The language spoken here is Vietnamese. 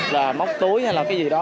là móc túi hay là cái gì đó